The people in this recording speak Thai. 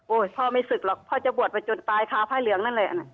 โอ้ยพ่อไม่ศึกหรอกพ่อจะบวชไปจนตายค้าไพ่เหลืองนั่นเลย